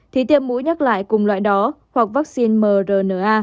thì tiêm mũi nhắc lại cùng loại đó hoặc vaccine mrna